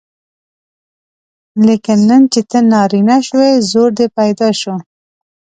لیکن نن چې ته نارینه شوې زور دې پیدا شو.